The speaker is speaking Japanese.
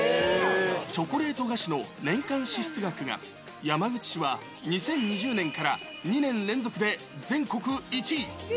チョコレート菓子の年間支出額が、山口市は２０２０年から２年連続で全国１位。